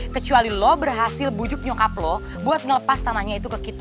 kecuali lo berhasil bujuk nyokap lo buat ngelepas tanahnya itu ke kita